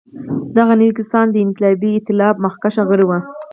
دغه نوي کسان د انقلابي اېتلاف مخکښ غړي وو.